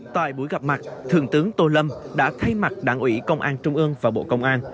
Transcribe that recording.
tại buổi gặp mặt thượng tướng tô lâm đã thay mặt đảng ủy công an trung ương và bộ công an